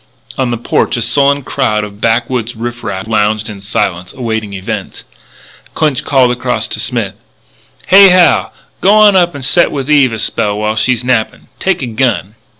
On the porch a sullen crowd of backwoods riff raff lounged in silence, awaiting events. Clinch called across to Smith: "Hey, Hal, g'wan up and set with Eve a spell while she's nappin'. Take a gun."